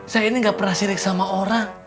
saya ini gak pernah syrik sama orang